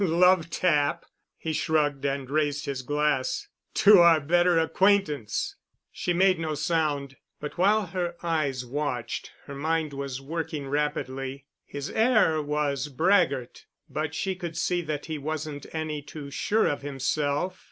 Love tap!" He shrugged and raised his glass. "To our better acquaintance!" She made no sound, but while her eyes watched, her mind was working rapidly. His air was braggart, but she could see that he wasn't any too sure of himself.